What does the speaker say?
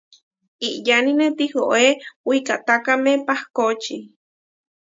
iʼyánine tihoé wikahtákame pahkóči.